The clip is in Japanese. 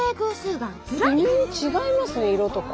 微妙に違いますね色とか。